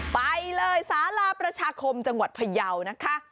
ไปเลยสาราประชาคมจังหวัดพยาวนะคะ